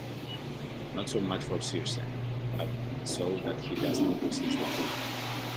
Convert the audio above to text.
Not so much for Circe but so that he does not resist the pull.